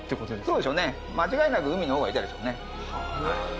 そうでしょうね間違いなく海の王はいたでしょうね